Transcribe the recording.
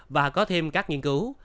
và có thêm các nghiên cứu